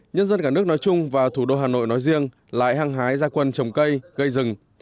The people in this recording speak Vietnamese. nhân dân cả nước nói chung và thủ đô hà nội nói riêng lại hăng hái ra quân trồng cây gây rừng